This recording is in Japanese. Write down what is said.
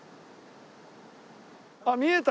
あっ見えた。